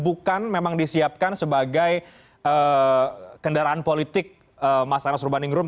bukan memang disiapkan sebagai kendaraan politik mas anas urbaningrum